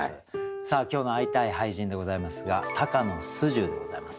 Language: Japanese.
さあ今日の「会いたい俳人」でございますが高野素十でございます。